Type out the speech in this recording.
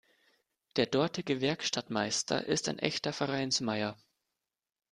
Der dortige Werkstattmeister ist ein echter Vereinsmeier.